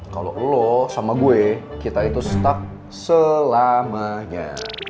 kalau lo sama gue kita itu stuck selamanya